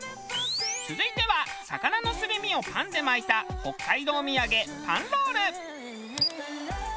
続いては魚のすり身をパンで巻いた北海道土産パンロール。